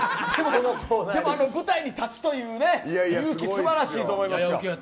あの舞台に立つという勇気素晴らしいと思いますよ。